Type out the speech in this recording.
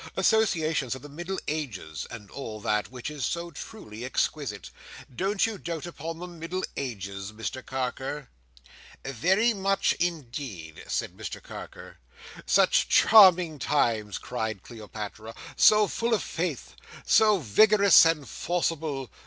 —associations of the Middle Ages—and all that—which is so truly exquisite. Don't you dote upon the Middle Ages, Mr Carker?" "Very much, indeed," said Mr Carker. "Such charming times!" cried Cleopatra. "So full of faith! So vigorous and forcible!